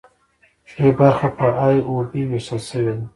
ښي برخه په ای او بي ویشل شوې ده.